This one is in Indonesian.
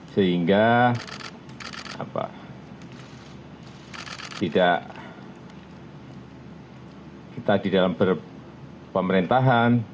sehingga kita di dalam pemerintahan